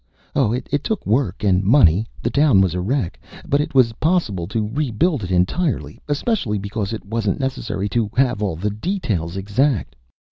Oh, it took work and money the town was a wreck but it was possible to rebuild it entirely, especially because it wasn't necessary to have all the details exact.